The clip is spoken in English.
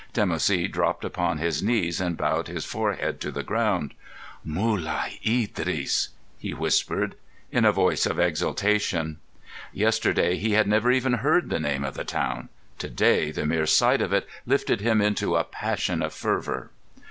Dimoussi dropped upon his knees and bowed his forehead to the ground. "Mulai Idris," he whispered, in a voice of exaltation. Yesterday he had never even heard the name of the town. To day the mere sight of it lifted him into a passion of fervour.